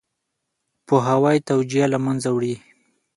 پوهاوی توجیه له منځه وړي.